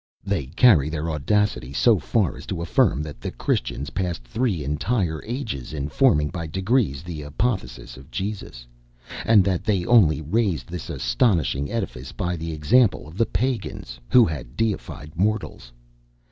They carry their audacity so far as to affirm, that the Christians passed three entire ages in forming by degrees the apotheosis of Jesus; and that they only raised this astonishing edifice by the example of the Pagans, who had deified mortals.